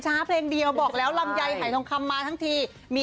เพลงเดียวบอกแล้วลำไยหายทองคำมาทั้งทีมี